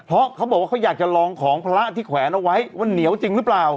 เพราะเขาบอกว่าเขาอยากจะลองของพระที่แขวนเอาไว้ว่าเหนียวจริงหรือเปล่า